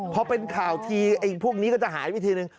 พอเป็นข่าวทีพวกนี้ก็จะหายไปทีนึง